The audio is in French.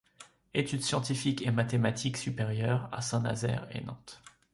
Études scientifiques et mathématiques supérieures à Saint-Nazaire et Nantes.